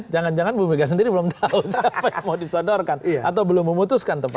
jangan jangan bu mega sendiri belum tahu siapa yang mau disodorkan atau belum memutuskan tempat